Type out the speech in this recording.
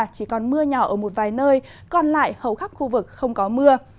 chỉ còn mưa nhỏ ở một vài nơi còn lại hầu khắp khu vực không có mưa